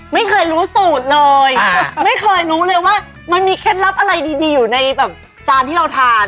ไม่เคยรู้สูตรเลยไม่เคยรู้เลยว่ามันมีเคล็ดลับอะไรดีอยู่ในแบบจานที่เราทาน